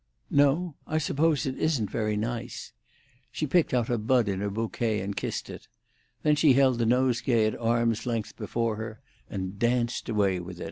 "No; I suppose it isn't very nice." She picked out a bud in her bouquet, and kissed it; then she held the nosegay at arm's length before her, and danced away with it.